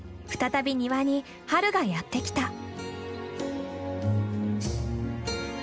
再び庭に春がやって来た。